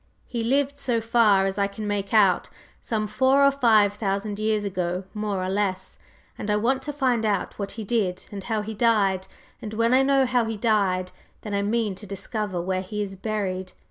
"He lived, so far as I can make out, some four or five thousand years ago, more or less; and I want to find out what he did and how he died, and when I know how he died, then I mean to discover where he is buried.